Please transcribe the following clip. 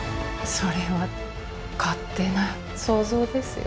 それは勝手な想像ですよね？